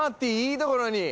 いいところに！